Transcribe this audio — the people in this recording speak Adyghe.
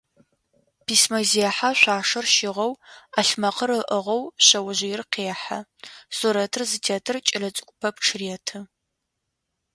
Письмэзехьэ шъуашэр щыгъэу, ӏалъмэкъыр ыӏыгъэу шъэожъыер къехьэ, сурэтыр зытетыр кӏэлэцӏыкӏу пэпчъ реты.